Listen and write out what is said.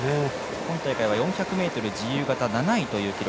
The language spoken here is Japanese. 今大会は４００ｍ自由形７位という結果。